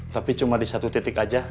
tapi cuma di satu titik aja